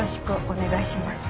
お願いします